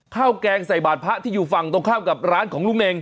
แกงใส่บาทพระที่อยู่ฝั่งตรงข้ามกับร้านของลุงเน่ง